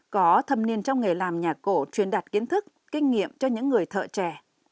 có thâm niên trong nghề làm nhà cổ truyền đạt kiến thức kinh nghiệm cho những người thợ trẻ